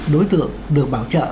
đối tượng được bảo trợ